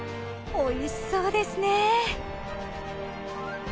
美味しそうですね！